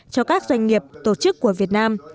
cho các doanh nghiệp tổ chức của việt nam